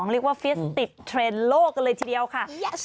เรียกว่าฟิสติกเทรนด์โลกกันเลยทีเดียวค่ะ